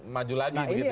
maju lagi begitu ya mas